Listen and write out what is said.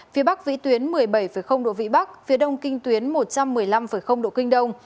phía bắc vĩ tuyến một mươi bảy độ vĩ bắc phía đông kinh tuyến một trăm một mươi năm độ kinh đông